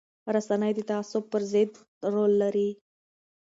رسنۍ د تعصب پر ضد رول لري